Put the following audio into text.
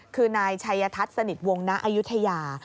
คือนายชัยธัศนิษฐ์สนิทวงนอยุธยา